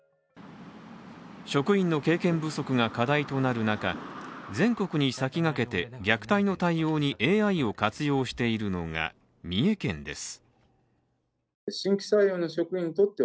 職員の経験不足が課題となる中全国に先駆けて虐待の対応にＡＩを活用しているのが三重県です。